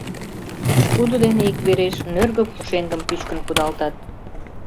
Шудо дене иквереш нӧргӧ пушеҥгым пӱчкын кудалтат.